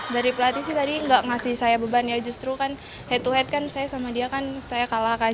dari pelatih sih tadi nggak ngasih saya beban ya justru kan head to head kan saya sama dia kan saya kalah kan